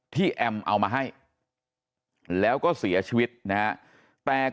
ที่แอมม์เอามาให้และก็เสียชีวิตนะฮะ